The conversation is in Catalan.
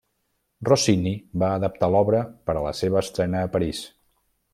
Rossini va adaptar l'obra per a la seva estrena a París.